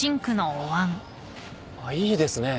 ああいいですね